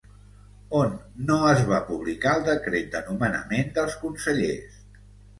On no es va publicar el decret de nomenament dels consellers?